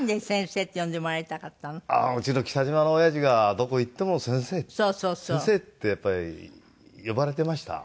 うちの北島の親父がどこ行っても「先生先生」ってやっぱり呼ばれてました。